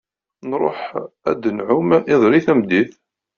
Nruḥ ad nεumm iḍelli tameddit.